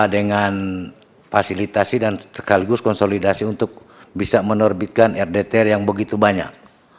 dengan fasilitasi dan sekaligus konsolidasi untuk bisa menerbitkan rdtr yang begitu banyak